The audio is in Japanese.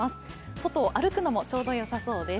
外を歩くのもちょうど良さそうです。